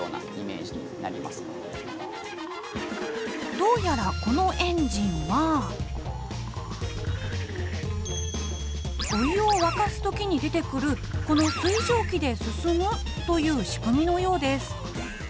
どうやらこのエンジンはお湯を沸かすときに出てくるこの水蒸気で進むという仕組みのようです。